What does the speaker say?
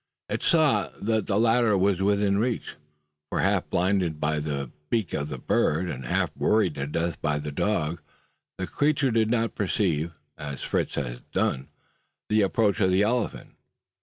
It saw that the latter was within reach: for half blinded by the beak of the bird, and half worried to death by the dog, the creature did not perceive, as Fritz had done, the approach of the elephant.